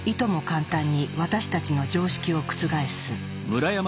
簡単に私たちの常識を覆す。